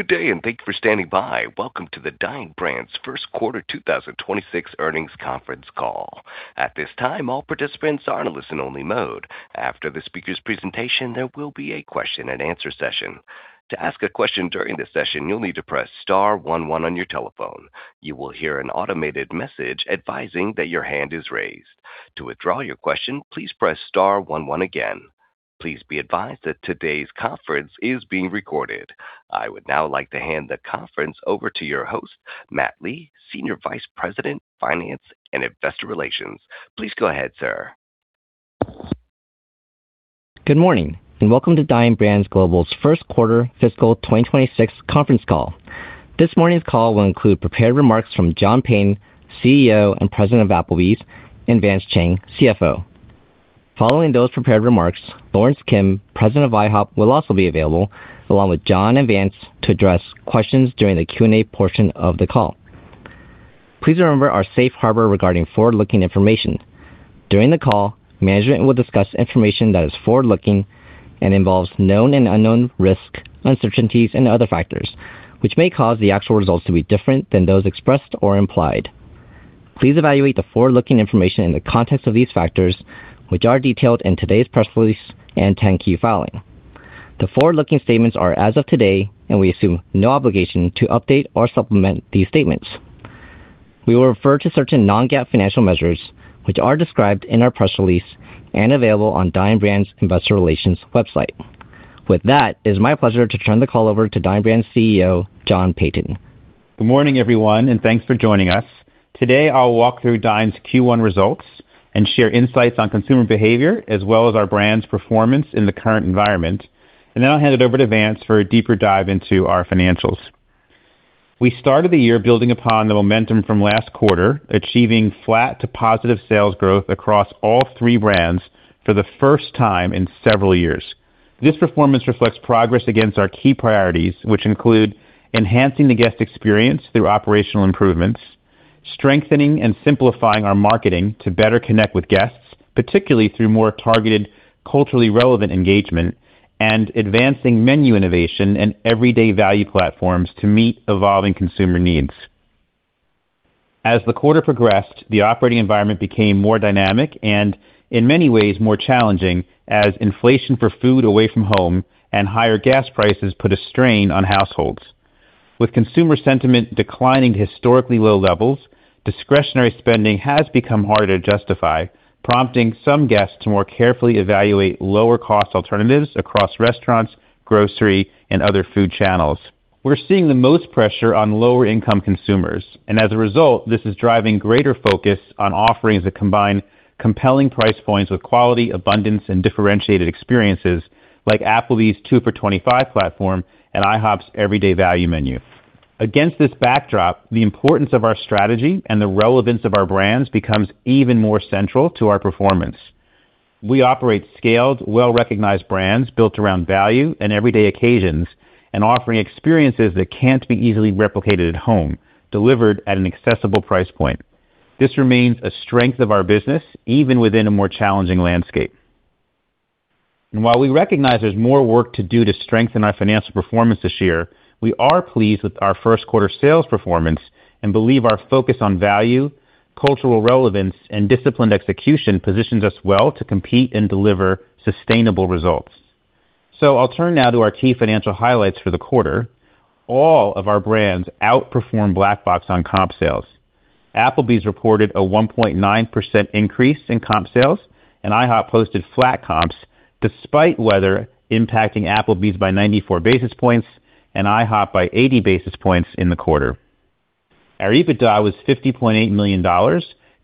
Good day. Thank you for standing by. Welcome to the Dine Brands first quarter 2026 earnings conference call. At this time, all participants are in a listen-only mode. After the speaker's presentation, there will be a question-and-answer session. To ask a question during the session, you'll need to press star one one on your telephone. You will hear an automated message advising that your hand is raised. To withdraw your question, please press star one one again. Please be advised that today's conference is being recorded. I would now like to hand the conference over to your host, Matt Lee, Senior Vice President, Finance and Investor Relations. Please go ahead, sir. Good morning, welcome to Dine Brands Global's first quarter fiscal 2026 conference call. This morning's call will include prepared remarks from John Peyton, CEO, and President of Applebee's, and Vance Chang, CFO. Following those prepared remarks, Lawrence Kim, President of IHOP, will also be available along with John and Vance to address questions during the Q&A portion of the call. Please remember our Safe Harbor regarding forward-looking information. During the call, management will discuss information that is forward-looking and involves known and unknown risk, uncertainties and other factors, which may cause the actual results to be different than those expressed or implied. Please evaluate the forward-looking information in the context of these factors which are detailed in today's press release and 10-Q filing. The forward-looking statements are as of today, and we assume no obligation to update or supplement these statements. We will refer to certain non-GAAP financial measures, which are described in our press release and available on Dine Brands' investor relations website. With that, it is my pleasure to turn the call over to Dine Brands CEO, John Peyton. Good morning, everyone, and thanks for joining us. Today, I'll walk through Dine's Q1 results and share insights on consumer behavior as well as our brand's performance in the current environment. I'll hand it over to Vance for a deeper dive into our financials. We started the year building upon the momentum from last quarter, achieving flat to positive sales growth across all three brands for the first time in several years. This performance reflects progress against our key priorities, which include enhancing the guest experience through operational improvements, strengthening and simplifying our marketing to better connect with guests, particularly through more targeted, culturally relevant engagement, and advancing menu innovation and everyday value platforms to meet evolving consumer needs. As the quarter progressed, the operating environment became more dynamic and in many ways more challenging as inflation for food away from home and higher gas prices put a strain on households. With consumer sentiment declining to historically low levels, discretionary spending has become harder to justify, prompting some guests to more carefully evaluate lower cost alternatives across restaurants, grocery, and other food channels. We're seeing the most pressure on lower income consumers, and as a result, this is driving greater focus on offerings that combine compelling price points with quality, abundance, and differentiated experiences like Applebee's Two for $25 platform and IHOP's Everyday Value Menu. Against this backdrop, the importance of our strategy and the relevance of our brands becomes even more central to our performance. We operate scaled, well-recognized brands built around value and everyday occasions and offering experiences that can't be easily replicated at home, delivered at an accessible price point. This remains a strength of our business, even within a more challenging landscape. While we recognize there's more work to do to strengthen our financial performance this year, we are pleased with our first quarter sales performance and believe our focus on value, cultural relevance, and disciplined execution positions us well to compete and deliver sustainable results. I'll turn now to our key financial highlights for the quarter. All of our brands outperformed Black Box on comp sales. Applebee's reported a 1.9% increase in comp sales, and IHOP posted flat comps despite weather impacting Applebee's by 94 basis points and IHOP by 80 basis points in the quarter. Our EBITDA was $50.8 million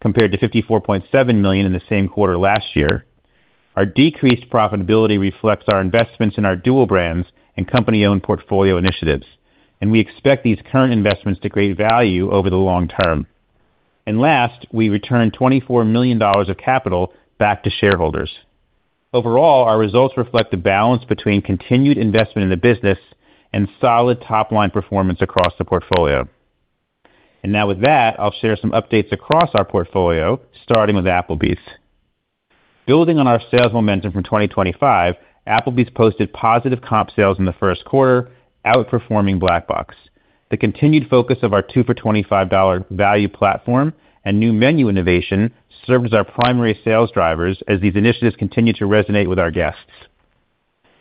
compared to $54.7 million in the same quarter last year. Our decreased profitability reflects our investments in our dual brands and company-owned portfolio initiatives. We expect these current investments to create value over the long term. Last, we returned $24 million of capital back to shareholders. Overall, our results reflect the balance between continued investment in the business and solid top-line performance across the portfolio. Now with that, I'll share some updates across our portfolio, starting with Applebee's. Building on our sales momentum from 2025, Applebee's posted positive comp sales in the first quarter, outperforming Black Box. The continued focus of our Two for $25 value platform and new menu innovation served as our primary sales drivers as these initiatives continue to resonate with our guests.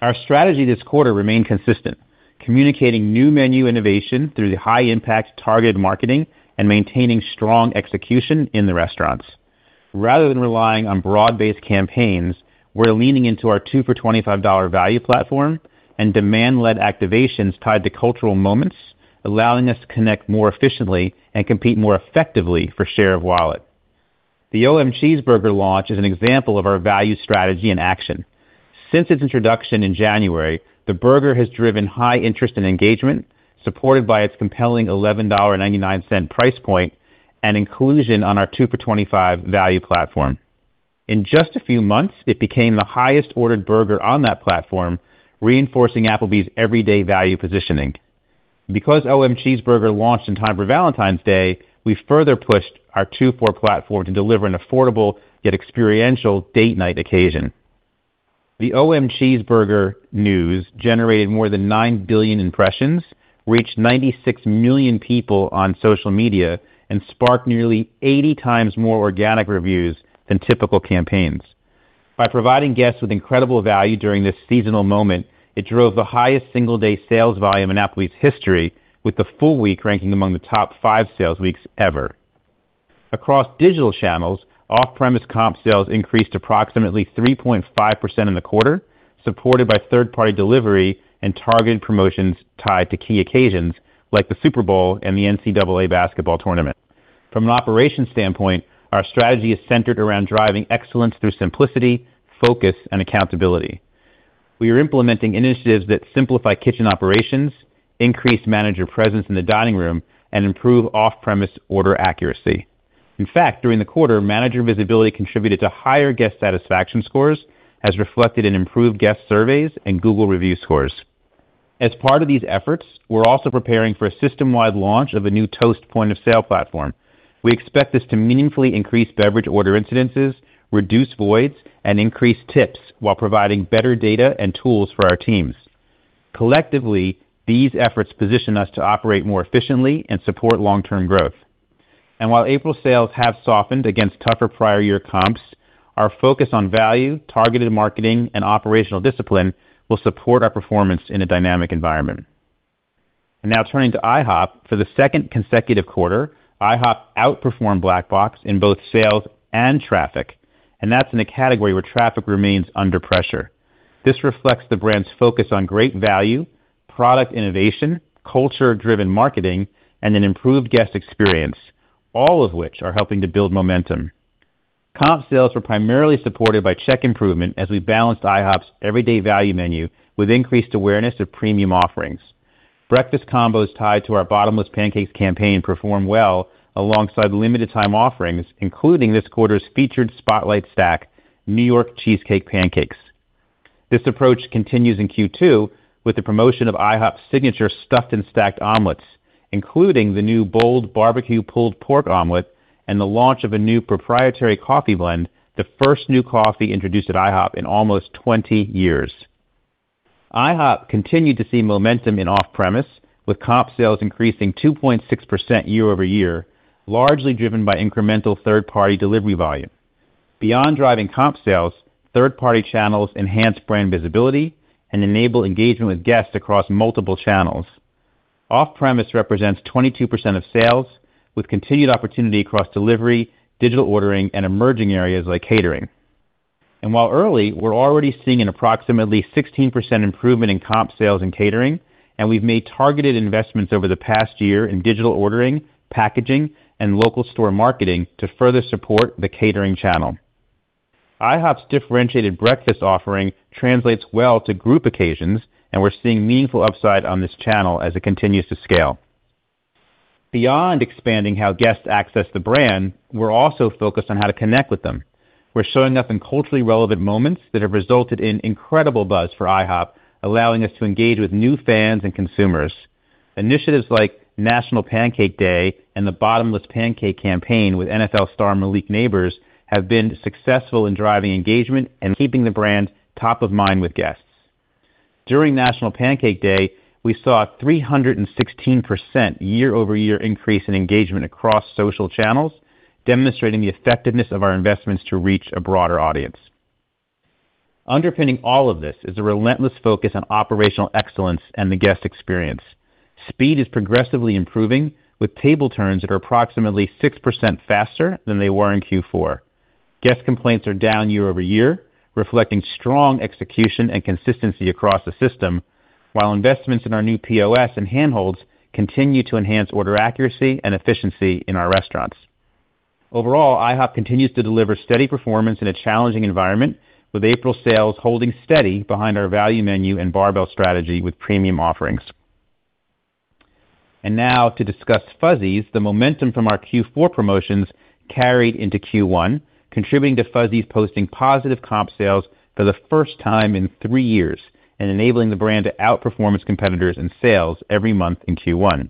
Our strategy this quarter remained consistent, communicating new menu innovation through the high impact targeted marketing and maintaining strong execution in the restaurants. Rather than relying on broad-based campaigns, we're leaning into our Two for $25 value platform and demand-led activations tied to cultural moments, allowing us to connect more efficiently and compete more effectively for share of wallet. The O-M-Cheese Burger launch is an example of our value strategy in action. Since its introduction in January, the burger has driven high interest and engagement, supported by its compelling $11.99 price point and inclusion on our Two for $25 value platform. In just a few months, it became the highest ordered burger on that platform, reinforcing Applebee's everyday value positioning. Because O-M-Cheese Burger launched in time for Valentine's Day, we further pushed our two for platform to deliver an affordable yet experiential date night occasion. The O-M-Cheese Burger news generated more than 9 billion impressions, reached 96 million people on social media, and sparked nearly 80x more organic reviews than typical campaigns. By providing guests with incredible value during this seasonal moment, it drove the highest single-day sales volume in Applebee's history, with the full week ranking among the top five sales weeks ever. Across digital channels, off-premise comp sales increased approximately 3.5% in the quarter, supported by third-party delivery and targeted promotions tied to key occasions like the Super Bowl and the NCAA Basketball Tournament. From an operations standpoint, our strategy is centered around driving excellence through simplicity, focus, and accountability. We are implementing initiatives that simplify kitchen operations, increase manager presence in the dining room, and improve off-premise order accuracy. In fact, during the quarter, manager visibility contributed to higher guest satisfaction scores, as reflected in improved guest surveys and Google Review scores. As part of these efforts, we're also preparing for a system-wide launch of a new Toast point-of-sale platform. We expect this to meaningfully increase beverage order incidences, reduce voids, and increase tips while providing better data and tools for our teams. Collectively, these efforts position us to operate more efficiently and support long-term growth. While April sales have softened against tougher prior-year comps, our focus on value, targeted marketing, and operational discipline will support our performance in a dynamic environment. Now turning to IHOP. For the second consecutive quarter, IHOP outperformed Black Box in both sales and traffic. That's in a category where traffic remains under pressure. This reflects the brand's focus on great value, product innovation, culture-driven marketing, and an improved guest experience, all of which are helping to build momentum. Comp sales were primarily supported by check improvement as we balanced IHOP's Everyday Value Menu with increased awareness of premium offerings. Breakfast combos tied to our Bottomless Pancake campaign performed well alongside limited time offerings, including this quarter's featured Spotlight Stack, New York Cheesecake Pancakes. This approach continues in Q2 with the promotion of IHOP's signature Stuffed and Stacked Omelets, including the new bold Barbecue Pulled Pork Omelet and the launch of a new proprietary coffee blend, the first new coffee introduced at IHOP in almost 20 years. IHOP continued to see momentum in off-premise, with comp sales increasing 2.6% year-over-year, largely driven by incremental third-party delivery volume. Beyond driving comp sales, third-party channels enhance brand visibility and enable engagement with guests across multiple channels. Off-premise represents 22% of sales, with continued opportunity across delivery, digital ordering, and emerging areas like catering. While early, we're already seeing an approximately 16% improvement in comp sales and catering, and we've made targeted investments over the past year in digital ordering, packaging, and local store marketing to further support the catering channel. IHOP's differentiated breakfast offering translates well to group occasions, and we're seeing meaningful upside on this channel as it continues to scale. Beyond expanding how guests access the brand, we're also focused on how to connect with them. We're showing up in culturally relevant moments that have resulted in incredible buzz for IHOP, allowing us to engage with new fans and consumers. Initiatives like National Pancake Day and the Bottomless Pancake campaign with NFL star Malik Nabers have been successful in driving engagement and keeping the brand top of mind with guests. During National Pancake Day, we saw a 316% year-over-year increase in engagement across social channels, demonstrating the effectiveness of our investments to reach a broader audience. Underpinning all of this is a relentless focus on operational excellence and the guest experience. Speed is progressively improving with table turns that are approximately 6% faster than they were in Q4. Guest complaints are down year-over-year, reflecting strong execution and consistency across the system, while investments in our new POS and handhelds continue to enhance order accuracy and efficiency in our restaurants. Overall, IHOP continues to deliver steady performance in a challenging environment, with April sales holding steady behind our value menu and barbell strategy with premium offerings. Now to discuss Fuzzy's. The momentum from our Q4 promotions carried into Q1, contributing to Fuzzy's posting positive comp sales for the first time in three years and enabling the brand to outperform its competitors in sales every month in Q1.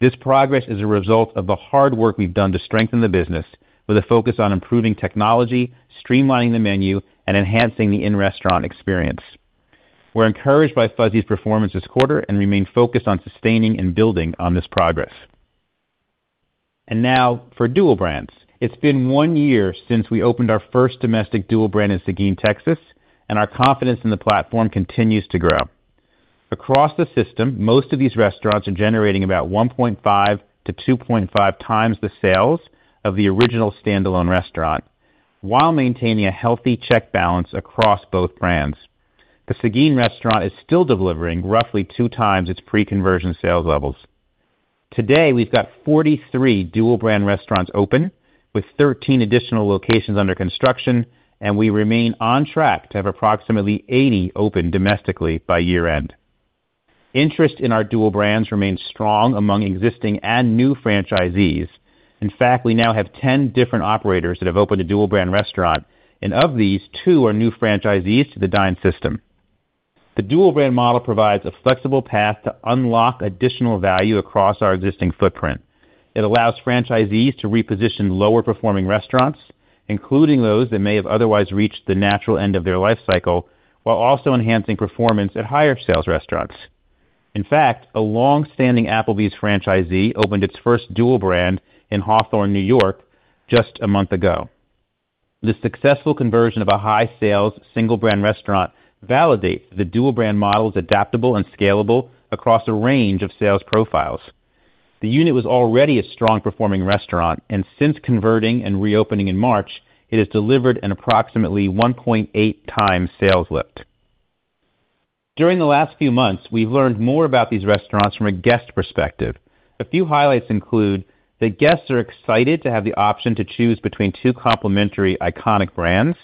This progress is a result of the hard work we've done to strengthen the business with a focus on improving technology, streamlining the menu, and enhancing the in-restaurant experience. We're encouraged by Fuzzy's performance this quarter and remain focused on sustaining and building on this progress. Now for dual brands. It's been one year since we opened our first domestic dual brand in Seguin, Texas, our confidence in the platform continues to grow. Across the system, most of these restaurants are generating about 1.5x to 2.5x the sales of the original standalone restaurant while maintaining a healthy check balance across both brands. The Seguin restaurant is still delivering roughly 2x its pre-conversion sales levels. Today, we've got 43 dual-brand restaurants open with 13 additional locations under construction, and we remain on track to have approximately 80 open domestically by year-end. Interest in our dual brands remains strong among existing and new franchisees. In fact, we now have 10 different operators that have opened a dual-brand restaurant, and of these, two are new franchisees to the Dine system. The dual brand model provides a flexible path to unlock additional value across our existing footprint. It allows franchisees to reposition lower-performing restaurants, including those that may have otherwise reached the natural end of their life cycle, while also enhancing performance at higher sales restaurants. In fact, a long-standing Applebee's franchisee opened its first dual brand in Hawthorne, New York just a month ago. The successful conversion of a high sales single brand restaurant validates the dual brand model is adaptable and scalable across a range of sales profiles. The unit was already a strong performing restaurant, and since converting and reopening in March, it has delivered an approximately 1.8x sales lift. During the last few months, we've learned more about these restaurants from a guest perspective. A few highlights include that guests are excited to have the option to choose between two complementary iconic brands.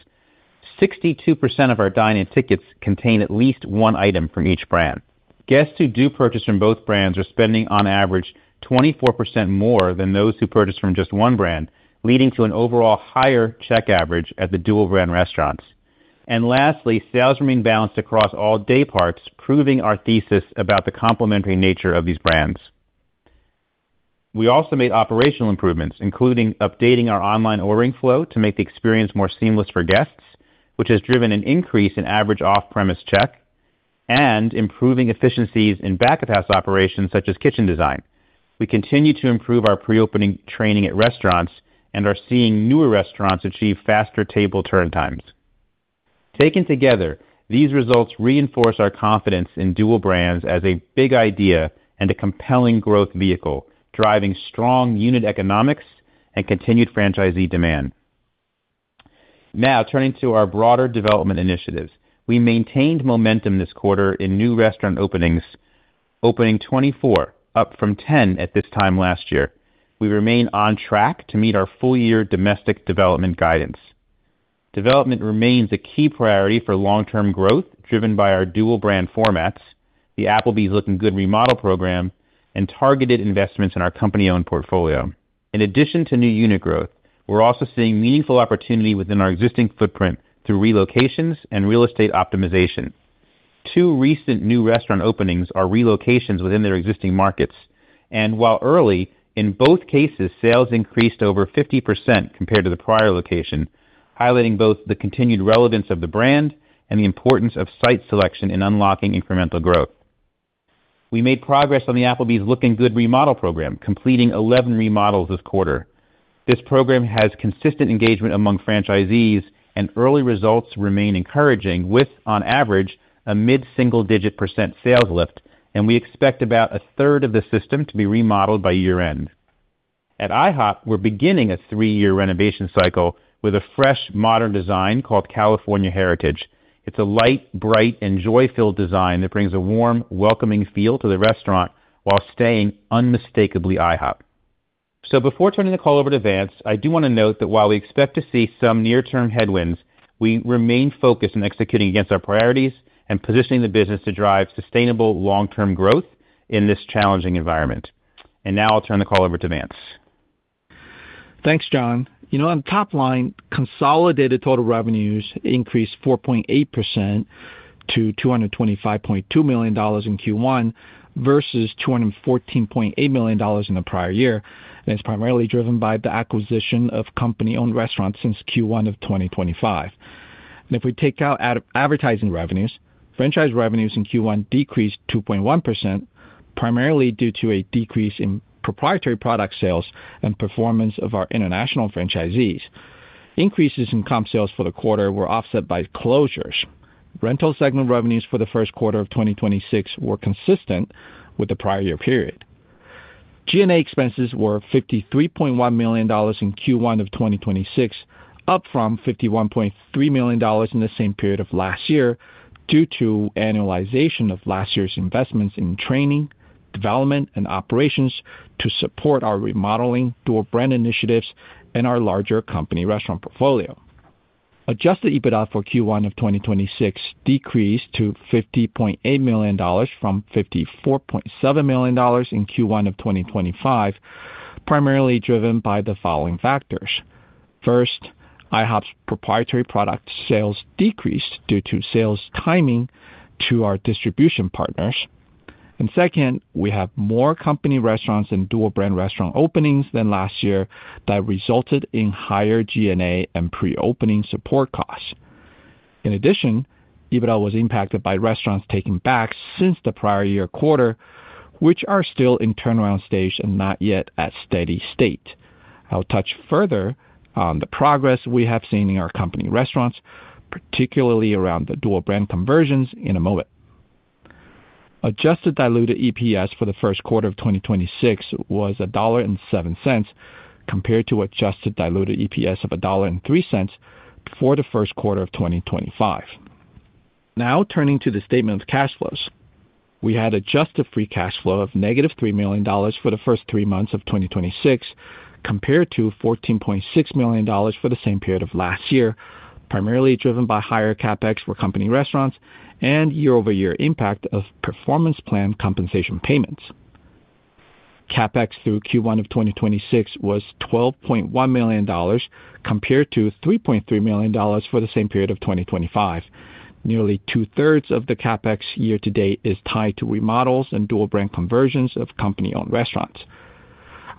62% of our dine-in tickets contain at least one item from each brand. Guests who do purchase from both brands are spending on average 24% more than those who purchase from just one brand, leading to an overall higher check average at the dual brand restaurants. Lastly, sales remain balanced across all day parts, proving our thesis about the complementary nature of these brands. We also made operational improvements, including updating our online ordering flow to make the experience more seamless for guests, which has driven an increase in average off-premise check and improving efficiencies in back-of-house operations such as kitchen design. We continue to improve our pre-opening training at restaurants and are seeing newer restaurants achieve faster table turn times. Taken together, these results reinforce our confidence in dual brands as a big idea and a compelling growth vehicle, driving strong unit economics and continued franchisee demand. Now, turning to our broader development initiatives. We maintained momentum this quarter in new restaurant openings, opening 24, up from 10 at this time last year. We remain on track to meet our full year domestic development guidance. Development remains a key priority for long-term growth driven by our dual brand formats, the Applebee's Lookin' Good remodel program, and targeted investments in our company-owned portfolio. In addition to new unit growth, we're also seeing meaningful opportunity within our existing footprint through relocations and real estate optimization. Two recent new restaurant openings are relocations within their existing markets, and while early, in both cases, sales increased over 50% compared to the prior location, highlighting both the continued relevance of the brand and the importance of site selection in unlocking incremental growth. We made progress on the Applebee's Lookin' Good remodel program, completing 11 remodels this quarter. This program has consistent engagement among franchisees, and early results remain encouraging with, on average, a mid-single-digit percent sales lift, and we expect about a third of the system to be remodeled by year-end. At IHOP, we're beginning a three-year renovation cycle with a fresh, modern design called California Heritage. It's a light, bright, and joy-filled design that brings a warm, welcoming feel to the restaurant while staying unmistakably IHOP. Before turning the call over to Vance, I do want to note that while we expect to see some near-term headwinds, we remain focused on executing against our priorities and positioning the business to drive sustainable long-term growth in this challenging environment. Now I'll turn the call over to Vance. Thanks, John. You know, on top line, consolidated total revenues increased 4.8% to $225.2 million in Q1 versus $214.8 million in the prior year. It's primarily driven by the acquisition of company-owned restaurants since Q1 of 2025. If we take out advertising revenues, franchise revenues in Q1 decreased 2.1%, primarily due to a decrease in proprietary product sales and performance of our international franchisees. Increases in comp sales for the quarter were offset by closures. Rental segment revenues for the first quarter of 2026 were consistent with the prior year period. G&A expenses were $53.1 million in Q1 2026, up from $51.3 million in the same period of last year due to annualization of last year's investments in training, development, and operations to support our remodeling, dual brand initiatives, and our larger company restaurant portfolio. Adjusted EBITDA for Q1 2026 decreased to $50.8 million from $54.7 million in Q1 2025, primarily driven by the following factors. First, IHOP's proprietary product sales decreased due to sales timing to our distribution partners. Second, we have more company restaurants and dual brand restaurant openings than last year that resulted in higher G&A and pre-opening support costs. In addition, EBITDA was impacted by restaurants taking back since the prior year quarter, which are still in turnaround stage and not yet at steady state. I'll touch further on the progress we have seen in our company restaurants, particularly around the dual brand conversions in a moment. Adjusted diluted EPS for the first quarter of 2026 was $1.07 compared to adjusted diluted EPS of $1.03 before the first quarter of 2025. Now turning to the statement of cash flows. We had adjusted free cash flow of negative $3 million for the first three months of 2026 compared to $14.6 million for the same period of last year, primarily driven by higher CapEx for company restaurants and year-over-year impact of performance plan compensation payments. CapEx through Q1 of 2026 was $12.1 million compared to $3.3 million for the same period of 2025. Nearly two-thirds of the CapEx year to date is tied to remodels and dual-brand conversions of company-owned restaurants.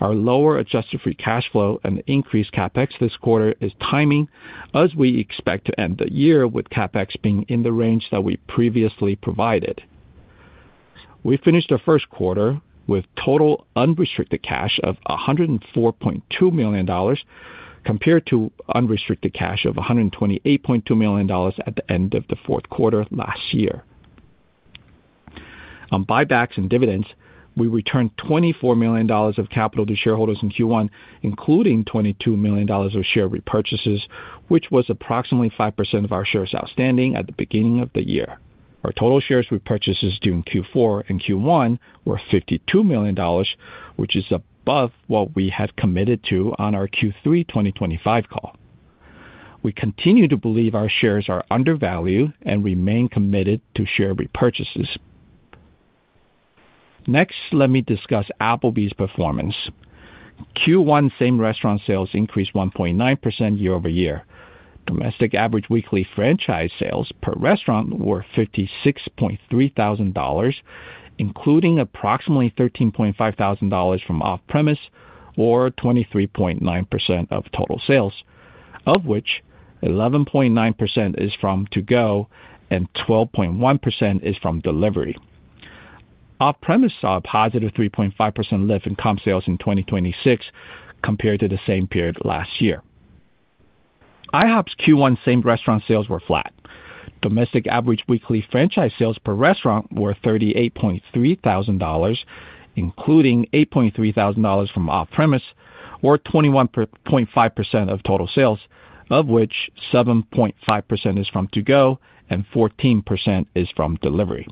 Our lower adjusted free cash flow and increased CapEx this quarter is timing as we expect to end the year with CapEx being in the range that we previously provided. We finished our first quarter with total unrestricted cash of $104.2 million compared to unrestricted cash of $128.2 million at the end of the fourth quarter last year. On buybacks and dividends, we returned $24 million of capital to shareholders in Q1, including $22 million of share repurchases, which was approximately 5% of our shares outstanding at the beginning of the year. Our total shares repurchases during Q4 and Q1 were $52 million, which is above what we had committed to on our Q3 2025 call. We continue to believe our shares are undervalued and remain committed to share repurchases. Next, let me discuss Applebee's performance. Q1 same-restaurant sales increased 1.9% year-over-year. Domestic average weekly franchise sales per restaurant were $56.3 thousand, including approximately $13.5 thousand from off-premise or 23.9% of total sales, of which 11.9% is from to-go and 12.1% is from delivery. Off-premise saw a positive 3.5% lift in comp sales in 2026 compared to the same period last year. IHOP's Q1 same-restaurant sales were flat. Domestic average weekly franchise sales per restaurant were $38,300, including $8,300 from off-premise or 21.5% of total sales, of which 7.5% is from to-go and 14% is from delivery.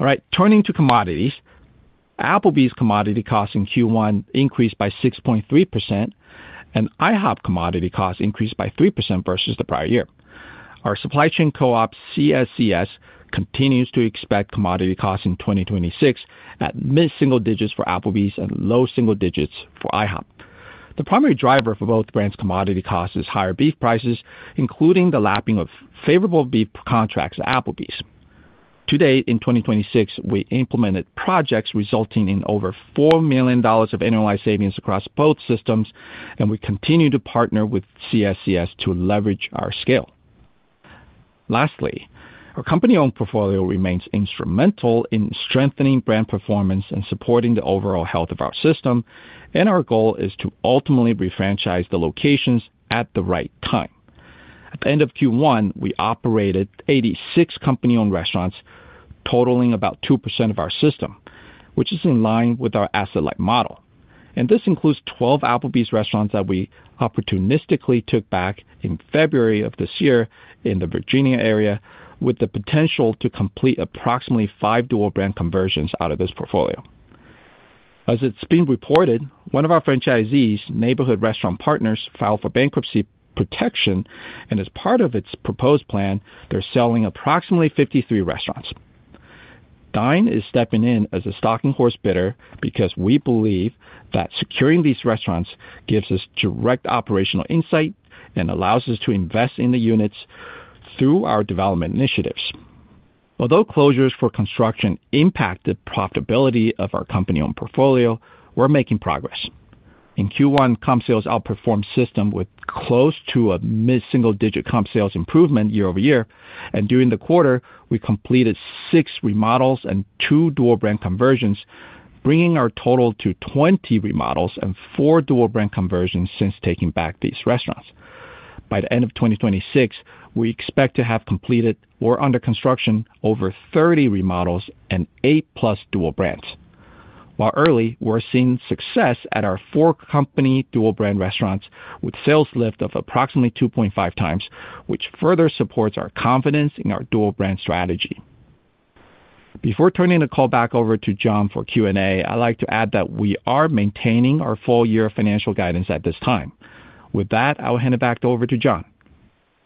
All right. Turning to commodities. Applebee's commodity costs in Q1 increased by 6.3%, and IHOP commodity costs increased by 3% versus the prior year. Our supply chain co-op, CSCS, continues to expect commodity costs in 2026 at mid-single digits for Applebee's and low single digits for IHOP. The primary driver for both brands' commodity costs is higher beef prices, including the lapping of favorable beef contracts at Applebee's. To date, in 2026, we implemented projects resulting in over $4 million of annualized savings across both systems, and we continue to partner with CSCS to leverage our scale. Lastly, our company-owned portfolio remains instrumental in strengthening brand performance and supporting the overall health of our system. Our goal is to ultimately refranchise the locations at the right time. At the end of Q1, we operated 86 company-owned restaurants totaling about 2% of our system, which is in line with our asset-light model. This includes 12 Applebee's restaurants that we opportunistically took back in February of this year in the Virginia area with the potential to complete approximately five dual-brand conversions out of this portfolio. As it's been reported, one of our franchisees, Neighborhood Restaurant Partners, filed for bankruptcy protection, and as part of its proposed plan, they're selling approximately 53 restaurants. Dine is stepping in as a stalking horse bidder because we believe that securing these restaurants gives us direct operational insight and allows us to invest in the units through our development initiatives. Although closures for construction impacted profitability of our company-owned portfolio, we're making progress. In Q1, comp sales outperformed system with close to a mid-single-digit comp sales improvement year-over-year. During the quarter, we completed six remodels and two dual-brand conversions, bringing our total to 20 remodels and four dual-brand conversions since taking back these restaurants. By the end of 2026, we expect to have completed or under construction over 30 remodels and eight plus dual brands. While early, we're seeing success at our four company dual-brand restaurants with sales lift of approximately 2.5x, which further supports our confidence in our dual-brand strategy. Before turning the call back over to John for Q&A, I'd like to add that we are maintaining our full year financial guidance at this time. With that, I will hand it back over to John.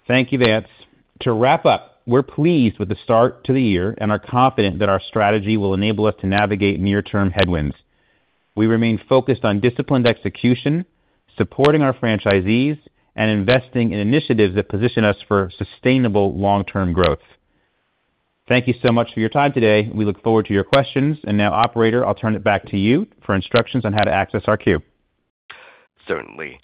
Thank you, Vance. To wrap up, we're pleased with the start to the year and are confident that our strategy will enable us to navigate near-term headwinds. We remain focused on disciplined execution, supporting our franchisees, and investing in initiatives that position us for sustainable long-term growth. Thank you so much for your time today. We look forward to your questions. Now, operator, I'll turn it back to you for instructions on how to access our queue. Certainly.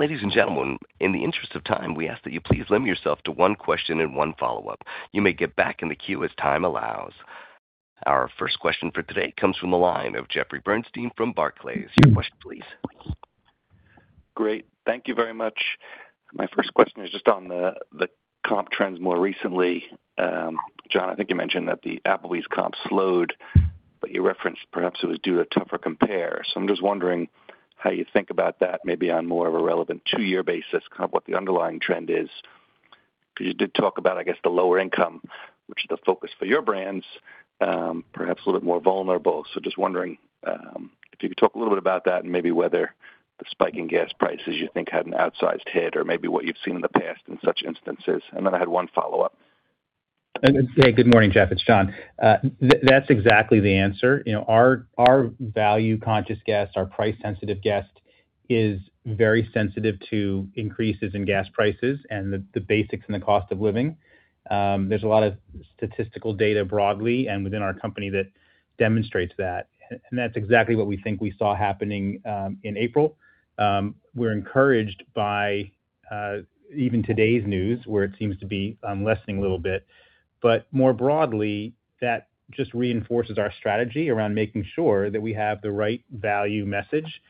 Ladies and gentlemen, in the interest of time, we ask that you please limit yourself to one question and one follow-up. You may get back in the queue as time allows. Our first question for today comes from the line of Jeffrey Bernstein from Barclays. Your question, please. Great. Thank you very much. My first question is just on the comp trends more recently. John, I think you mentioned that the Applebee's comps slowed, but you referenced perhaps it was due to a tougher compare. I'm just wondering how you think about that maybe on more of a relevant two-year basis, kind of what the underlying trend is. 'Cause you did talk about, I guess, the lower income, which is the focus for your brands, perhaps a little bit more vulnerable. Just wondering if you could talk a little bit about that and maybe whether the spike in gas prices you think had an outsized hit or maybe what you've seen in the past in such instances. Then I had one follow-up. Hey, good morning, Jeff. It's John. That's exactly the answer. You know, our value conscious guest, our price sensitive guest is very sensitive to increases in gas prices and the basics and the cost of living. There's a lot of statistical data broadly and within our company that demonstrates that, and that's exactly what we think we saw happening in April. We're encouraged by even today's news, where it seems to be lessening a little bit. More broadly, that just reinforces our strategy around making sure that we have the right value message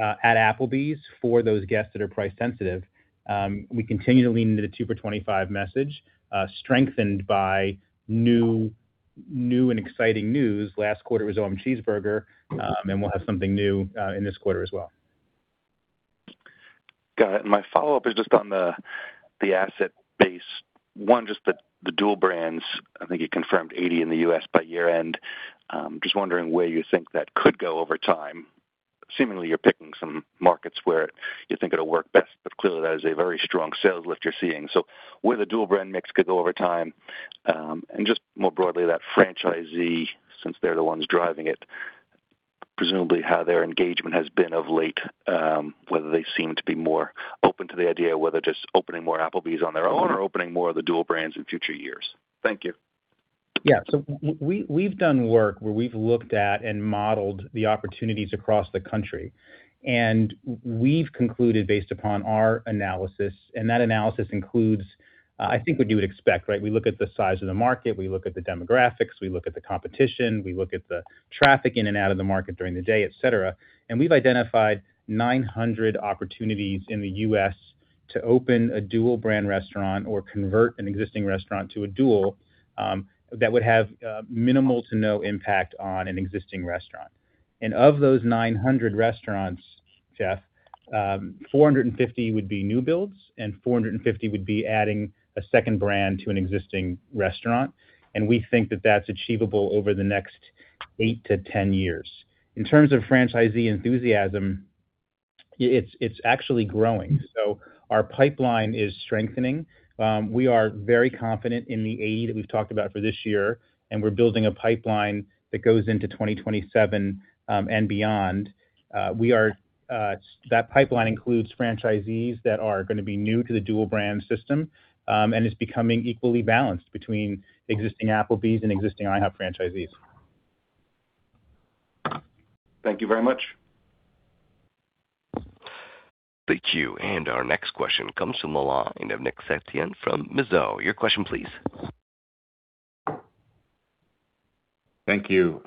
at Applebee's for those guests that are price sensitive. We continue to lean into the Two for $25 message, strengthened by new and exciting news. Last quarter was O-M-Cheese Burger, and we'll have something new in this quarter as well. Got it. My follow-up is just on the asset base. One, just the dual brands, I think you confirmed 80 in the U.S. by year-end. Just wondering where you think that could go over time? Seemingly, you're picking some markets where you think it'll work best, but clearly that is a very strong sales lift you're seeing. Where the dual brand mix could go over time, and just more broadly, that franchisee, since they're the ones driving it, presumably how their engagement has been of late, whether they seem to be more open to the idea, whether just opening more Applebee's on their own or opening more of the dual brands in future years? Thank you. Yeah. We've done work where we've looked at and modeled the opportunities across the country. We've concluded based upon our analysis, and that analysis includes, I think what you would expect, right? We look at the size of the market, we look at the demographics, we look at the competition, we look at the traffic in and out of the market during the day, et cetera. We've identified 900 opportunities in the U.S. to open a dual brand restaurant or convert an existing restaurant to a dual that would have minimal to no impact on an existing restaurant. Of those 900 restaurants, Jeff, 450 would be new builds, and 450 would be adding a second brand to an existing restaurant, and we think that that's achievable over the next eight to 10 years. In terms of franchisee enthusiasm, it's actually growing. Our pipeline is strengthening. We are very confident in the 80 that we've talked about for this year, and we're building a pipeline that goes into 2027 and beyond. That pipeline includes franchisees that are gonna be new to the dual brand system, and it's becoming equally balanced between existing Applebee's and existing IHOP franchisees. Thank you very much. Thank you. Our next question comes from the line of Nick Setyan from Mizuho. Your question please. Thank you.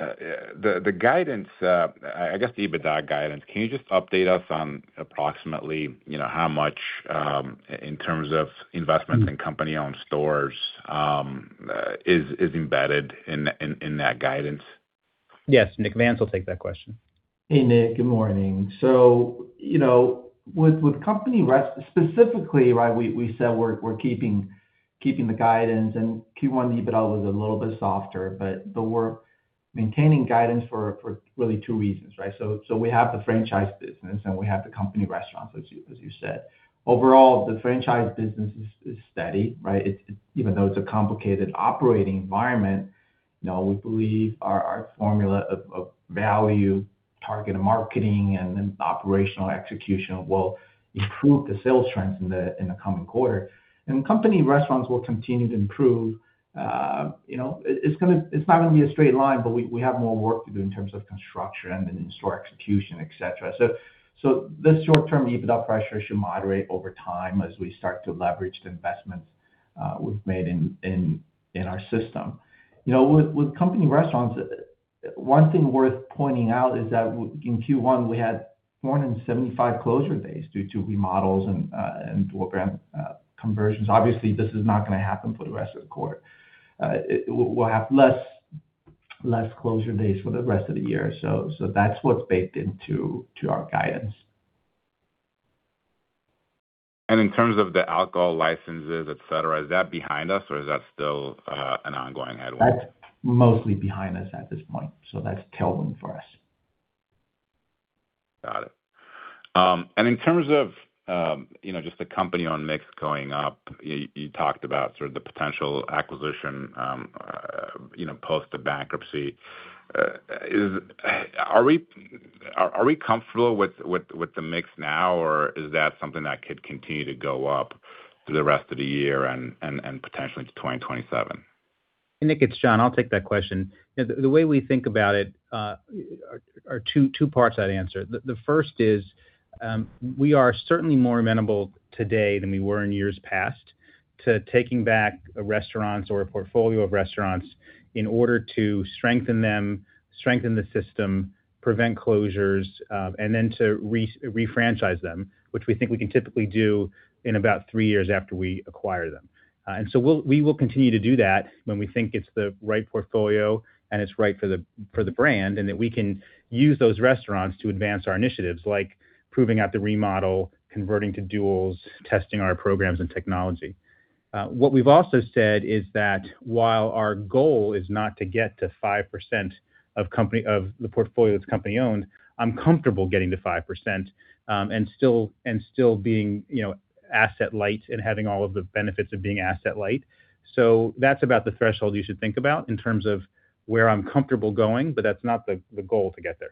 The guidance, I guess the EBITDA guidance, can you just update us on approximately, you know, how much in terms of investments in company-owned stores is embedded in that guidance? Yes, Nick. Vance will take that question. Hey, Nick. Good morning. You know, with company specifically, right, we said we're keeping the guidance, and Q1 EBITDA was a little bit softer. We're maintaining guidance for really two reasons, right? We have the franchise business, and we have the company restaurants, as you said. Overall, the franchise business is steady, right? Even though it's a complicated operating environment, you know, we believe our formula of value, targeted marketing, and then operational execution will improve the sales trends in the coming quarter. Company restaurants will continue to improve. You know, it's not gonna be a straight line, but we have more work to do in terms of construction and in store execution, et cetera. The short-term EBITDA pressure should moderate over time as we start to leverage the investments we've made in our system. You know, with company restaurants, one thing worth pointing out is that in Q1, we had more than 75 closure days due to remodels and dual brand conversions. Obviously, this is not going to happen for the rest of the quarter. We'll have less closure days for the rest of the year. That's what's baked into our guidance. In terms of the alcohol licenses, et cetera, is that behind us, or is that still an ongoing headwind? That's mostly behind us at this point. That's tailwind for us. Got it. In terms of, you know, just the company-owned mix going up, you talked about sort of the potential acquisition, you know, post the bankruptcy. Are we comfortable with the mix now, or is that something that could continue to go up through the rest of the year and potentially to 2027? Nick, it's John. I'll take that question. You know, the way we think about it are two parts to that answer. The first is, we are certainly more amenable today than we were in years past to taking back restaurants or a portfolio of restaurants in order to strengthen them, strengthen the system, prevent closures, and then to refranchise them, which we think we can typically do in about three years after we acquire them. We will continue to do that when we think it's the right portfolio and it's right for the brand, and that we can use those restaurants to advance our initiatives, like proving out the remodel, converting to duals, testing our programs and technology. What we've also said is that while our goal is not to get to 5% of the portfolio that's company-owned, I'm comfortable getting to 5%, and still being, you know, asset light and having all of the benefits of being asset light. That's about the threshold you should think about in terms of where I'm comfortable going, but that's not the goal to get there.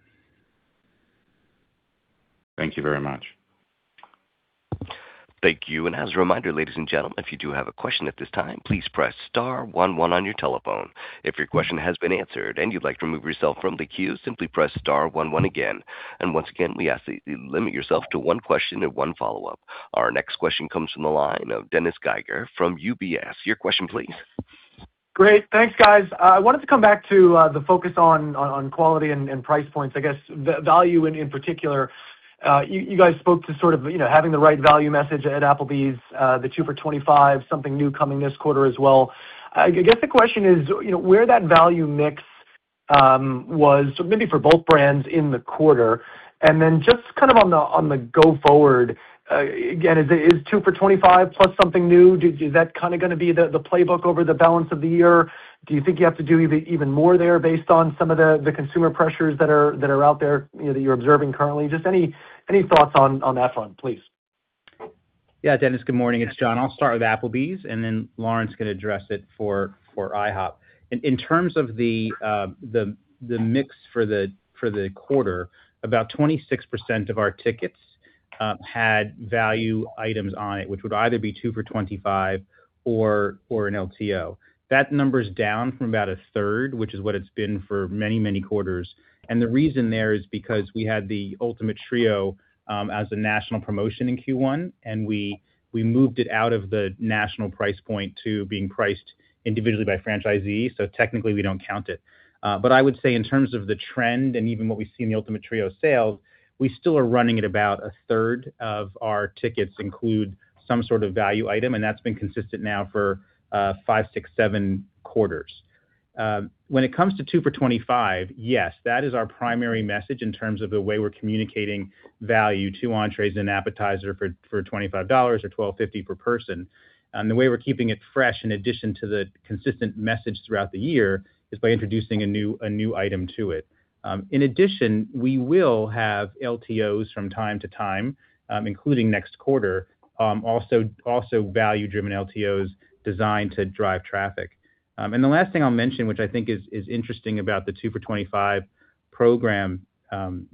Thank you very much. Thank you. As a reminder, ladies and gentlemen, if you do have a question at this time, please press star one one on your telephone. If your question has been answered and you'd like to remove yourself from the queue, simply press star one one again. Once again, we ask that you limit yourself to one question and one follow-up. Our next question comes from the line of Dennis Geiger from UBS. Your question please. Great. Thanks, guys. I wanted to come back to the focus on quality and price points. I guess the value in particular. You guys spoke to sort of, you know, having the right value message at Applebee's, the Two for $25, something new coming this quarter as well. I guess the question is, you know, where that value mix was maybe for both brands in the quarter, and then just kind of on the go forward, again, is it Two for $25 plus something new? Is that kind of gonna be the playbook over the balance of the year? Do you think you have to do even more there based on some of the consumer pressures that are out there, you know, that you're observing currently? Just any thoughts on that front, please? Yeah. Dennis, good morning. It's John. I'll start with Applebee's, and then Lawrence can address it for IHOP. In terms of the mix for the quarter, about 26% of our tickets had value items on it, which would either be Two for $25 or an LTO. That number's down from about a third, which is what it's been for many quarters. The reason there is because we had the Ultimate Trio as a national promotion in Q1, and we moved it out of the national price point to being priced individually by franchisees. Technically, we don't count it. I would say in terms of the trend and even what we see in the Ultimate Trio sales, we still are running at about a third of our tickets include some sort of value item, and that's been consistent now for five, six, seven quarters. When it comes to Two for $25, yes, that is our primary message in terms of the way we're communicating value, two entrees and an appetizer for $25 or $12.50 per person. The way we're keeping it fresh in addition to the consistent message throughout the year is by introducing a new item to it. In addition, we will have LTOs from time to time, including next quarter, also value-driven LTOs designed to drive traffic. The last thing I'll mention, which I think is interesting about the Two for $25 program,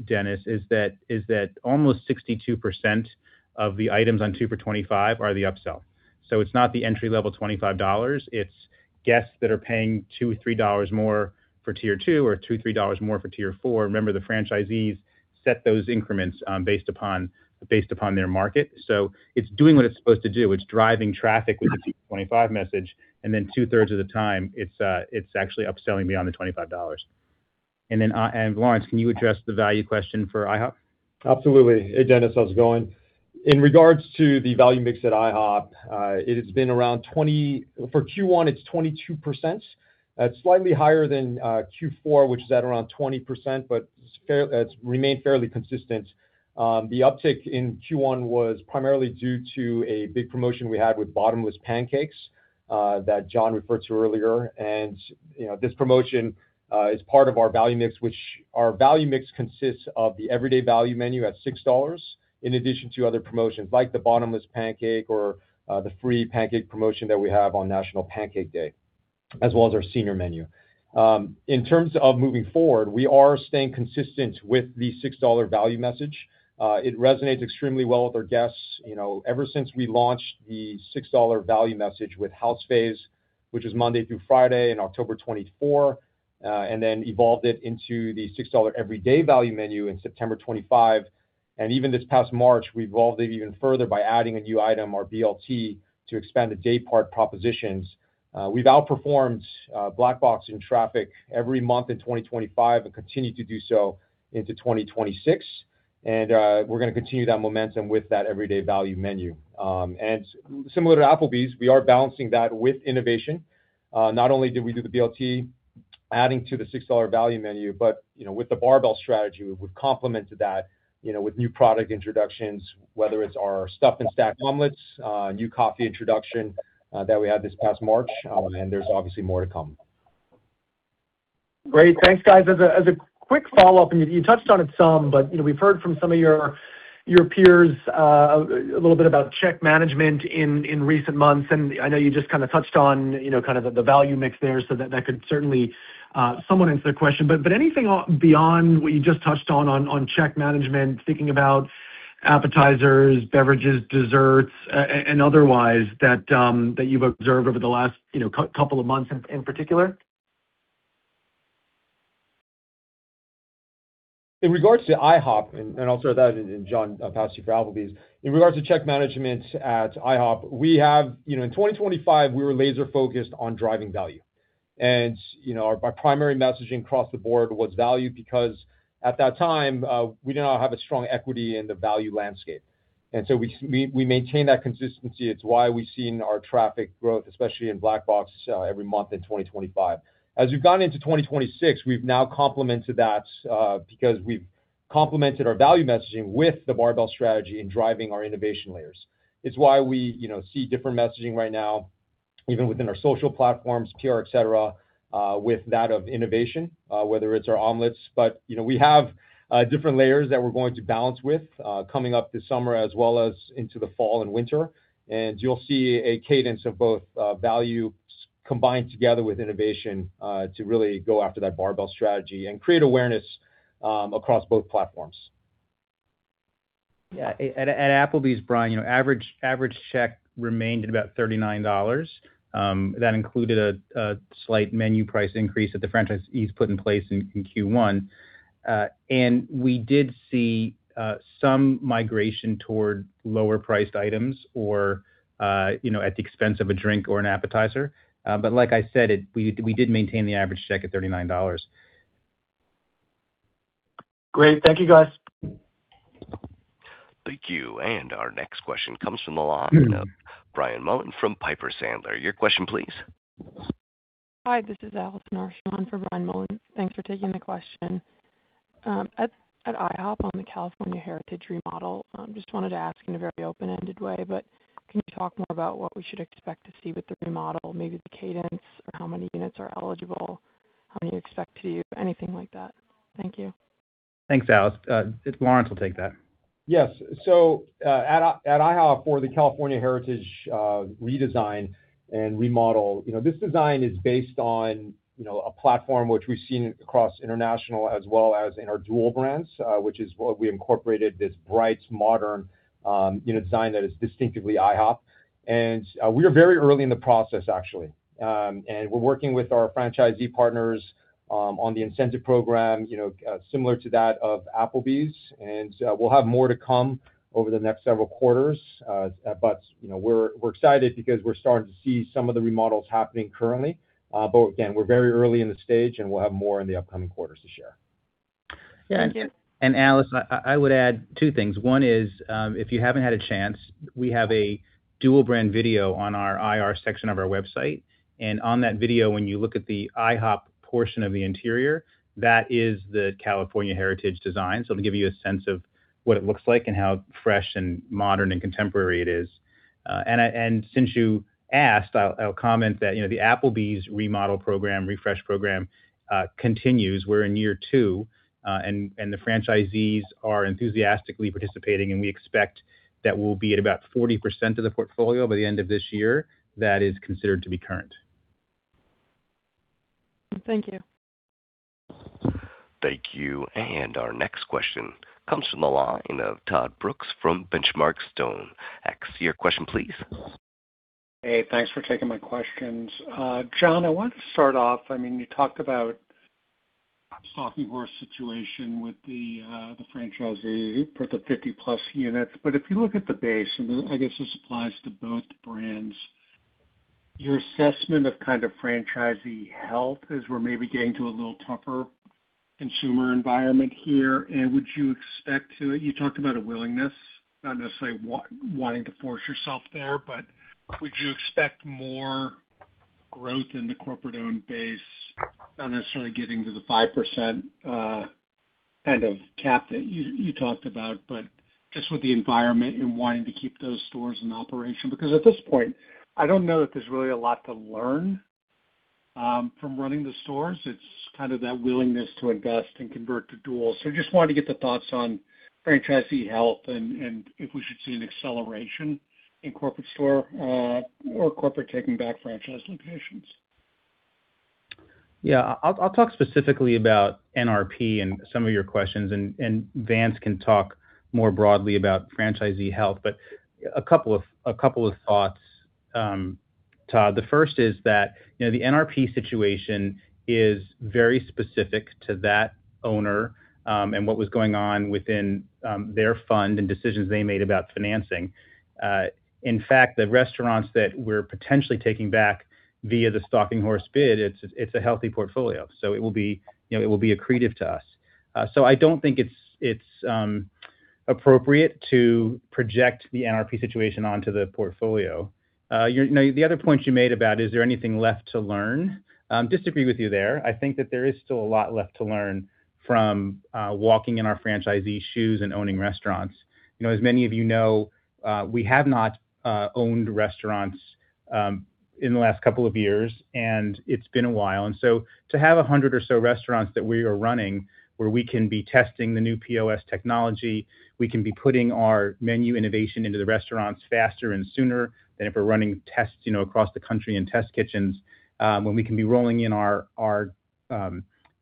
Dennis, is that almost 62% of the items on Two for $25 are the upsell. It's not the entry-level $25, it's guests that are paying $2 or $3 more for tier two or $2 or $3 more for tier four. Remember, the franchisees set those increments based upon their market. It's doing what it's supposed to do. It's driving traffic with the Two for $25 message, then two-thirds of the time, it's actually upselling beyond the $25. Lawrence, can you address the value question for IHOP? Absolutely. Hey, Dennis, how's it going? In regards to the value mix at IHOP, it has been around for Q1, it's 22%. Slightly higher than Q4, which is at around 20%, it's remained fairly consistent. The uptick in Q1 was primarily due to a big promotion we had with Bottomless Pancakes that John referred to earlier. You know, this promotion is part of our value mix, which our value mix consists of the Everyday Value Menu at $6, in addition to other promotions like the Bottomless Pancakes or the free pancake promotion that we have on National Pancake Day, as well as our senior menu. In terms of moving forward, we are staying consistent with the $6 value message. It resonates extremely well with our guests. You know, ever since we launched the $6 value message with House Faves, which is Monday through Friday in October 2024, and then evolved it into the $6 Everyday Value Menu in September 2025. Even this past March, we evolved it even further by adding a new item, our BLT, to expand the day part propositions. We've outperformed Black Box in traffic every month in 2025 and continue to do so into 2026, and we're gonna continue that momentum with that Everyday Value Menu. Similar to Applebee's, we are balancing that with innovation. Not only did we do the BLT adding to the $6 value menu, but you know, with the barbell strategy, we've complemented that, you know, with new product introductions, whether it's our Stuffed and Stacked Omelets, new coffee introduction, that we had this past March, and there's obviously more to come. Great. Thanks, guys. As a quick follow-up, and you touched on it some, but, you know, we've heard from some of your peers, a little bit about check management in recent months, and I know you just kinda touched on, you know, kind of the value mix there, so that could certainly, somewhat answer the question. Anything beyond what you just touched on check management, thinking about appetizers, beverages, desserts, and otherwise that you've observed over the last, you know, couple of months in particular? In regards to IHOP, and I'll start with that and then John, I'll pass you for Applebee's. In regards to check management at IHOP, we have, you know, in 2025, we were laser focused on driving value. You know, our primary messaging across the board was value because at that time, we did not have a strong equity in the value landscape. We maintain that consistency. It's why we've seen our traffic growth, especially in Black Box, every month in 2025. As we've gone into 2026, we've now complemented that because we've complemented our value messaging with the barbell strategy in driving our innovation layers. It's why we, you know, see different messaging right now, even within our social platforms, PR, et cetera, with that of innovation, whether it's our omelets. You know, we have different layers that we're going to balance with coming up this summer as well as into the fall and winter. You'll see a cadence of both value combined together with innovation to really go after that barbell strategy and create awareness across both platforms. Yeah. At Applebee's, you know, average check remained at about $39. That included a slight menu price increase that the franchisees put in place in Q1. We did see some migration toward lower priced items or, you know, at the expense of a drink or an appetizer. Like I said, we did maintain the average check at $39. Great. Thank you, guys. Thank you. Our next question comes from the line of Brian Mullan from Piper Sandler. Your question please. Hi, this is Alice Avanian on for Brian Mullan. Thanks for taking the question. At IHOP on the California Heritage remodel, I just wanted to ask in a very open-ended way, can you talk more about what we should expect to see with the remodel, maybe the cadence or how many units are eligible, how many you expect to do, anything like that? Thank you. Thanks, Alice. Lawrence will take that. Yes. At IHOP for the California Heritage redesign and remodel, you know, this design is based on, you know, a platform which we've seen across international as well as in our dual brands, which is what we incorporated this bright, modern, you know, design that is distinctively IHOP. We are very early in the process, actually. We're working with our franchisee partners on the incentive program, you know, similar to that of Applebee's. We'll have more to come over the next several quarters. You know, we're excited because we're starting to see some of the remodels happening currently. Again, we're very early in the stage, and we'll have more in the upcoming quarters to share. Alice, I would add two things. One is, if you haven't had a chance, we have a dual brand video on our IR section of our website. On that video, when you look at the IHOP portion of the interior, that is the California Heritage design. It'll give you a sense of what it looks like and how fresh and modern and contemporary it is. Since you asked, I'll comment that, you know, the Applebee's remodel program, refresh program, continues. We're in year two, and the franchisees are enthusiastically participating, and we expect that we'll be at about 40% of the portfolio by the end of this year. That is considered to be current. Thank you. Thank you. Our next question comes from the line of Todd Brooks from Benchmark StoneX. Your question, please. Hey, thanks for taking my questions. John, I wanted to start off, I mean, you talked about stalking horse situation with the franchisee for the 50-plus units. If you look at the base, and I guess this applies to both brands, your assessment of kind of franchisee health as we're maybe getting to a little tougher consumer environment here, and would you expect to-- you talked about a willingness, not necessarily wanting to force yourself there, but would you expect more growth in the corporate-owned base, not necessarily getting to the 5% kind of cap that you talked about, but just with the environment and wanting to keep those stores in operation? Because at this point, I don't know that there's really a lot to learn from running the stores. It's kind of that willingness to invest and convert to dual. Just wanted to get the thoughts on franchisee health and if we should see an acceleration in corporate store or corporate taking back franchise locations. Yeah. I'll talk specifically about NRP in some of your questions and Vance can talk more broadly about franchisee health. A couple of thoughts, Todd. The first is that, you know, the NRP situation is very specific to that owner and what was going on within their fund and decisions they made about financing. In fact, the restaurants that we're potentially taking back via the stalking horse bid, it's a healthy portfolio, so it will be accretive to us. I don't think it's appropriate to project the NRP situation onto the portfolio. You know, the other point you made about is there anything left to learn? Disagree with you there. I think that there is still a lot left to learn from walking in our franchisees shoes and owning restaurants. You know, as many of you know, we have not owned restaurants in the last couple of years, and it's been a while. To have 100 or so restaurants that we are running where we can be testing the new POS technology, we can be putting our menu innovation into the restaurants faster and sooner than if we're running tests, you know, across the country in test kitchens, when we can be rolling in our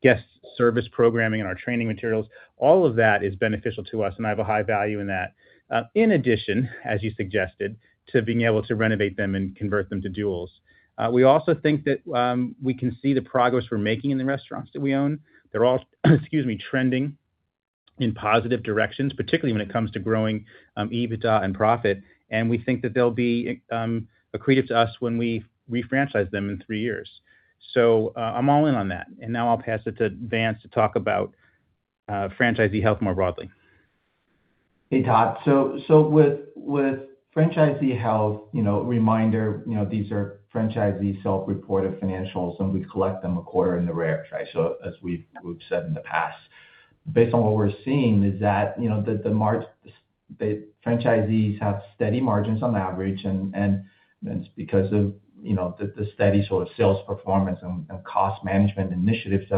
guest service programming and our training materials, all of that is beneficial to us, and I have a high value in that. In addition, as you suggested, to being able to renovate them and convert them to duals. We also think that we can see the progress we're making in the restaurants that we own. They're all trending in positive directions, particularly when it comes to growing EBITDA and profit. We think that they'll be accretive to us when we refranchise them in three years. I'm all in on that. Now I'll pass it to Vance to talk about franchisee health more broadly. Hey, Todd. With franchisee health, you know, reminder, you know, these are franchisees self-reported financials, and we collect them a quarter in the rear, right? As we've said in the past. Based on what we're seeing is that, you know, the franchisees have steady margins on average, and it's because of, you know, the steady sort of sales performance and cost management initiatives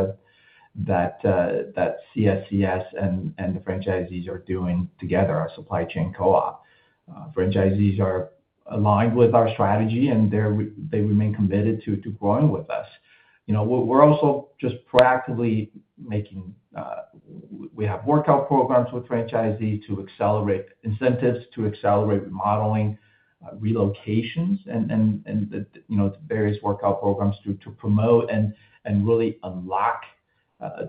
that CSCS and the franchisees are doing together, our supply chain co-op. Franchisees are aligned with our strategy, and they remain committed to growing with us. You know, we're also just proactively making, we have workout programs with franchisees to accelerate incentives, to accelerate remodeling, relocations and the, you know, various workout programs to promote and really unlock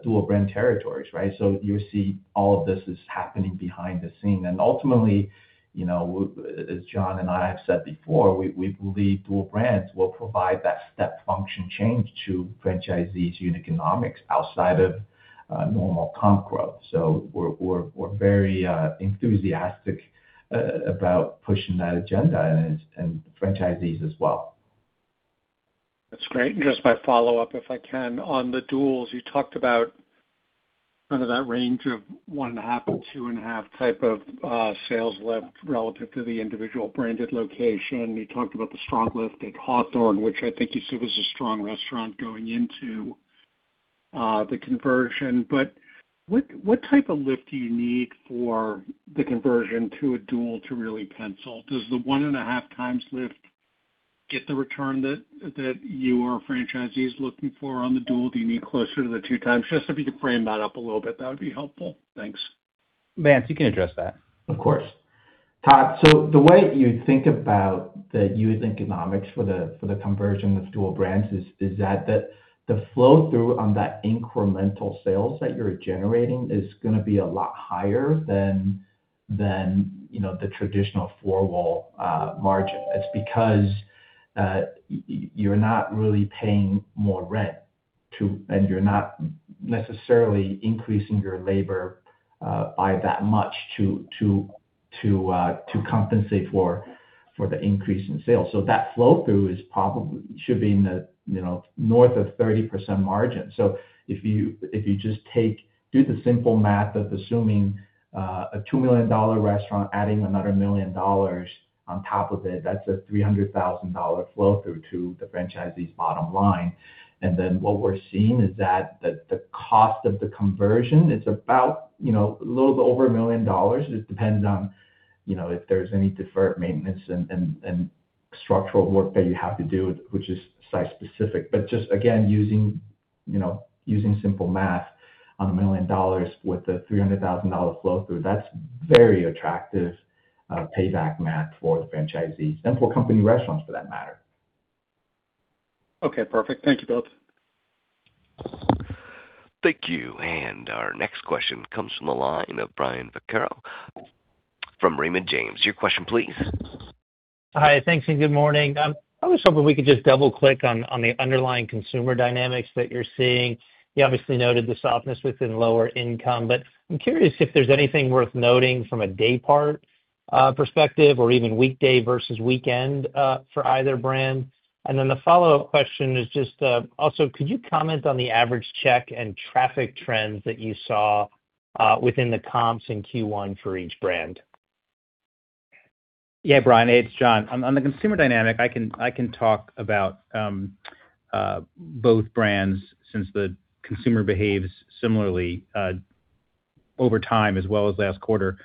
dual brand territories, right? You see all of this is happening behind the scene. Ultimately, you know, as John and I have said before, we believe dual brands will provide that step function change to franchisees' unit economics outside of normal comp growth. We're very enthusiastic about pushing that agenda and franchisees as well. That's great. Just my follow-up, if I can. On the duals, you talked about kind of that range of 1.5x or 2.5x type of sales lift relative to the individual branded location. You talked about the strong lift at Hawthorne, which I think you said was a strong restaurant going into the conversion. What type of lift do you need for the conversion to a dual to really pencil? Does the 1.5x lift get the return that you or franchisees looking for on the dual? Do you need closer to the 2x? Just if you could frame that up a little bit, that would be helpful. Thanks. Vance, you can address that. Of course. Todd, the way you think about the unit economics for the conversion with dual brands is that the flow through on that incremental sales that you're generating is gonna be a lot higher than, you know, the traditional four-wall margin. It's because you're not really paying more rent to, and you're not necessarily increasing your labor by that much to compensate for the increase in sales. That flow through should be in the, you know, north of 30% margin. If you just do the simple math of assuming a $2 million restaurant adding another $1 million on top of it, that's a $300,000 flow through to the franchisee's bottom line. What we're seeing is that the cost of the conversion is about, you know, a little bit over $1 million. It just depends on, you know, if there's any deferred maintenance and structural work that you have to do, which is site specific. Just again, using, you know, using simple math on $1 million with a $300,000 flow through, that's very attractive payback math for the franchisees and for company restaurants for that matter. Okay, perfect. Thank you both. Thank you. Our next question comes from the line of Brian Vaccaro from Raymond James. Your question, please. Hi, thanks and good morning. I was hoping we could just double click on the underlying consumer dynamics that you're seeing. You obviously noted the softness within lower income, but I'm curious if there's anything worth noting from a day part perspective or even weekday versus weekend for either brand. The follow-up question is just, also could you comment on the average check and traffic trends that you saw within the comps in Q1 for each brand? Yeah, Brian, it's John. On the consumer dynamic, I can talk about both brands since the consumer behaves similarly over time as well as last quarter.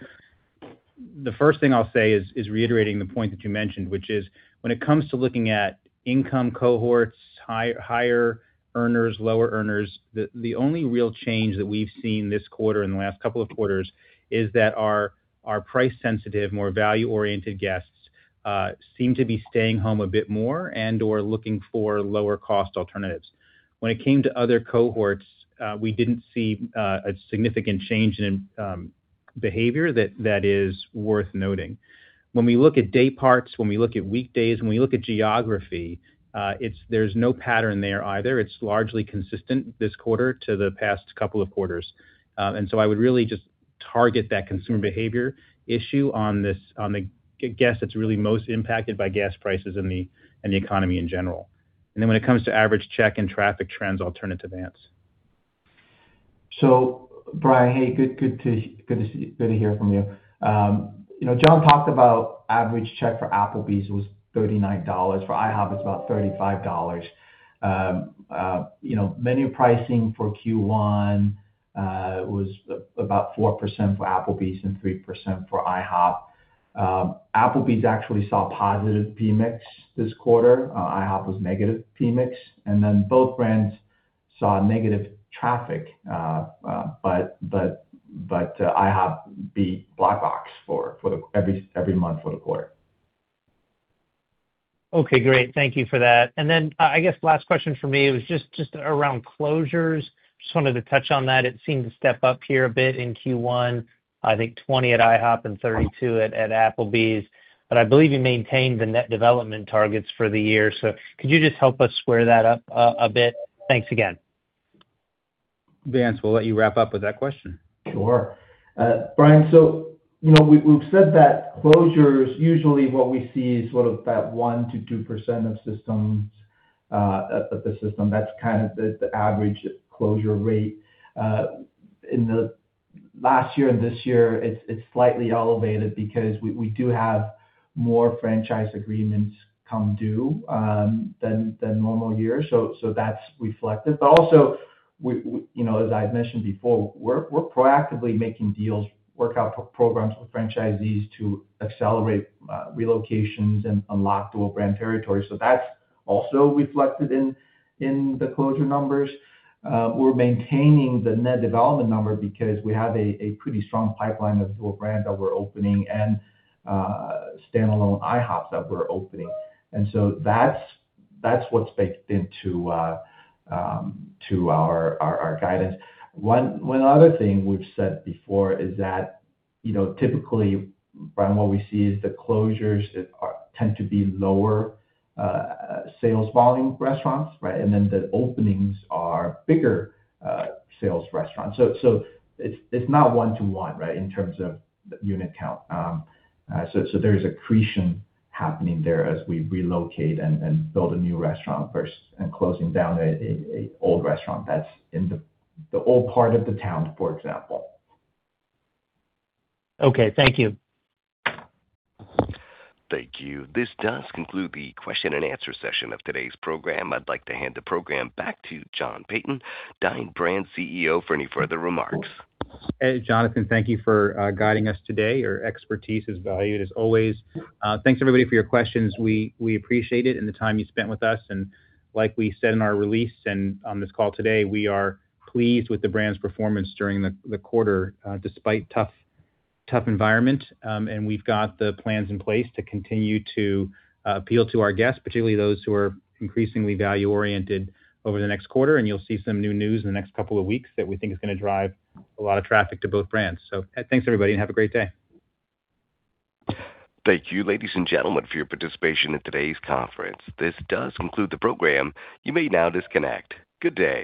The first thing I'll say is reiterating the point that you mentioned, which is when it comes to looking at income cohorts, higher earners, lower earners, the only real change that we've seen this quarter and the last couple of quarters is that our price sensitive, more value-oriented guests seem to be staying home a bit more and or looking for lower cost alternatives. When it came to other cohorts, we didn't see a significant change in behavior that is worth noting. When we look at day parts, when we look at weekdays, when we look at geography, there's no pattern there either. It's largely consistent this quarter to the past couple of quarters. I would really just target that consumer behavior issue on this, on the guest that's really most impacted by gas prices and the economy in general. When it comes to average check and traffic trends, I'll turn it to Vance. Brian, hey, good to hear from you. You know, John talked about average check for Applebee's was $39. For IHOP, it's about $35. You know, menu pricing for Q1 was about 4% for Applebee's and 3% for IHOP. Applebee's actually saw positive v-mix this quarter. IHOP was negative v-mix. Both brands saw negative traffic. But IHOP beat Black Box for every month for the quarter. Okay, great. Thank you for that. I guess last question from me was just around closures. Just wanted to touch on that. It seemed to step up here a bit in Q1. I think 20 at IHOP and 32 at Applebee's. I believe you maintained the net development targets for the year. Could you just help us square that up a bit? Thanks again. Vance, we'll let you wrap up with that question. Sure. Brian, you know, we've said that closures, usually what we see is sort of that 1% to 2% of systems, of the system. That's kind of the average closure rate. In the last year and this year, it's slightly elevated because we do have more franchise agreements come due than normal years. That's reflected. We, you know, as I had mentioned before, we're proactively making deals, workout programs with franchisees to accelerate relocations and unlock dual brand territory. That's also reflected in the closure numbers. We're maintaining the net development number because we have a pretty strong pipeline of dual brand that we're opening and standalone IHOPs that we're opening. That's what's baked into our guidance. One other thing we've said before is that, you know, typically from what we see is the closures that tend to be lower sales volume restaurants, right? The openings are bigger sales restaurants. It's not one to one, right, in terms of unit count. There's accretion happening there as we relocate and build a new restaurant versus closing down an old restaurant that's in the old part of the town, for example. Okay. Thank you. Thank you. This does conclude the question-and-answer session of today's program. I'd like to hand the program back to John Peyton, Dine Brands CEO, for any further remarks. Hey, Jonathan, thank you for guiding us today. Your expertise is valued as always. Thanks everybody for your questions. We appreciate it and the time you spent with us. Like we said in our release and on this call today, we are pleased with the brand's performance during the quarter, despite tough environment. We've got the plans in place to continue to appeal to our guests, particularly those who are increasingly value-oriented over the next quarter. You'll see some new news in the next couple of weeks that we think is gonna drive a lot of traffic to both brands. Thanks everybody, have a great day. Thank you, ladies and gentlemen, for your participation in today's conference. This does conclude the program. You may now disconnect. Good day.